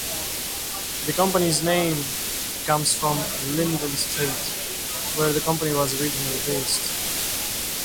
The company's name comes from Linden Street, where the company was originally based.